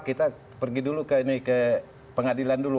kita pergi dulu ke pengadilan dulu